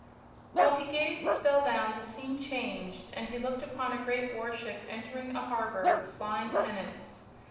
While he gazed, spell bound, the scene changed, and he looked upon a great warship entering a harbor with flying pennants.